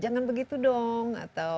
jangan begitu dong